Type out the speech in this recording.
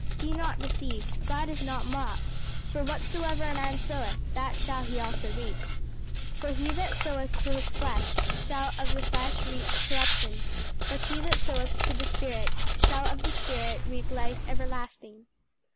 'Be not deceived; God is not mocked: for whatsoever a man soweth, that shall he also reap. For he that soweth to his flesh, shall of the flesh reap corruption: but he that soweth to the Spirit, shall of the Spirit reap life everlasting.'"